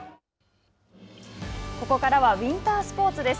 ここからはウインタースポーツです。